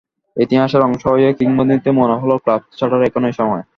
ইতিহাসের অংশ হয়েই কিংবদন্তির মনে হলো, ক্লাব ছাড়ার এখনই সময়।